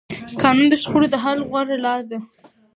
قانون د شخړو د حل غوره لاره ده